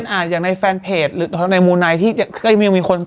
การใช่นะแหละเป็นคนพาฉันไปสักลิ้น